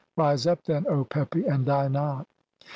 Rise up, then, O Pepi, and "die not."